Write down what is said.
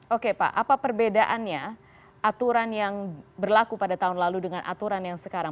oke pak apa perbedaannya aturan yang berlaku pada tahun lalu dengan aturan yang sekarang